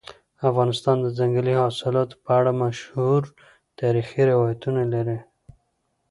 افغانستان د ځنګلي حاصلاتو په اړه مشهور تاریخي روایتونه لري.